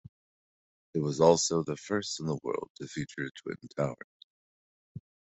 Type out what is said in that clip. It was also the first in the world to feature twin-towers.